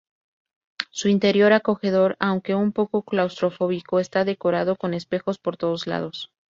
Su interior acogedor, aunque un poco claustrofóbico, está decorado con espejos por todos lados.